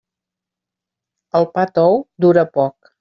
El pa tou dura poc.